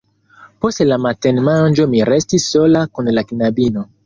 Post la matenmanĝo mi restis sola kun la knabino.